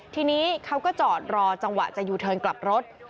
ทีนี้เขาก็จอดรอจังหวะจะยูเทิร์นกลับรถ